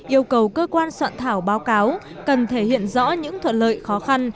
yêu cầu cơ quan soạn thảo báo cáo cần thể hiện rõ những thuận lợi khó khăn